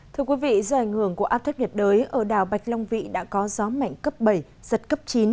thưa quý vị do ảnh hưởng của áp thấp nhiệt đới ở đảo bạch long vị đã có gió mạnh cấp bảy giật cấp chín